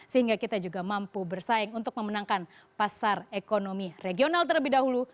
sehingga kita juga mampu bersaing untuk memenangkan pasar ekonomi regional terlebih dahulu